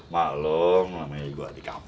malung namanya gua di kampung